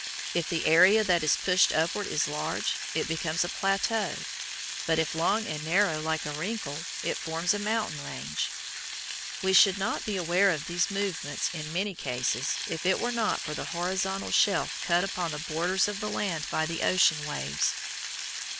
If the area that is pushed upward is large, it becomes a plateau; but if long and narrow like a wrinkle, it forms a mountain range. We should not be aware of these movements in many cases if it were not for the horizontal shelf cut upon the borders of the land by the ocean waves.